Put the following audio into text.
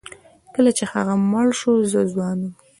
کله چې هغه مړ شو زه ځوان وم.